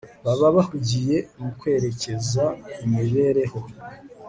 baba bahugiye mu kwerekeza imibereho